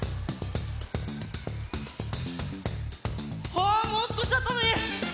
あもうすこしだったのに！